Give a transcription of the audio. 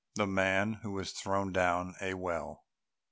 THE MAN WHO WAS THROWN DOWN A WELL.